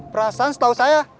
perasaan setahu saya